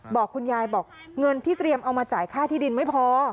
บอกคุณยายบอกเงินที่เตรียมเอามาจ่ายค่าที่ดินไม่พอ